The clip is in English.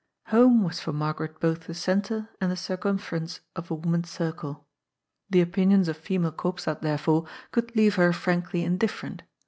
Home was for Margaret both the centre and the circum ference of a woman's circle. The opinions of female Koop A STRANGE DUCK IN THE POND. 303 8tad, therefore, could leave her frankly indifferent.